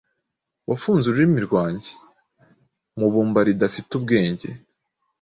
Wafunze Ururimi rwanjye mubumba ridafite ubwenge,